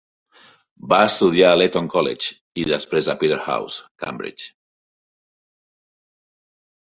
Va estudiar a l'Eton College i després a Peterhouse (Cambridge).